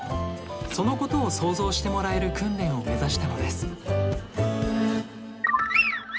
そのことを想像してもらえる訓練を目指したのです。